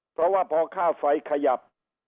เพราะว่าพอค่าไฟขยับ